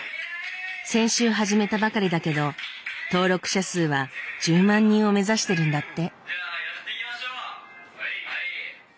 先週始めたばかりだけど登録者数は１０万人を目指してるんだって。